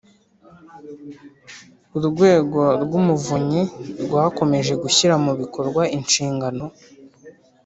urwego rw’umuvunyi rwakomeje gushyira mu bikorwa inshingano